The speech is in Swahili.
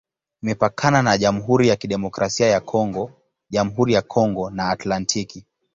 Imepakana na Jamhuri ya Kidemokrasia ya Kongo, Jamhuri ya Kongo na Atlantiki.